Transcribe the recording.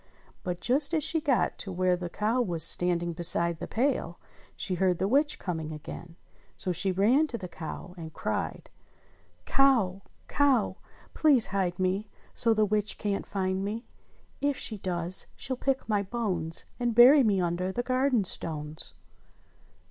But just as she got to where the cow was standing beside the pail, she heard the witch coming again, so she ran to the cow and cried : "Cow! Cow, please hide me So the witch can't find me. If she does she'll pick my bones. And bury me under the garden stones